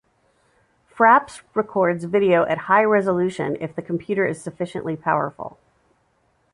Fraps records video at high resolution if the computer is sufficiently powerful.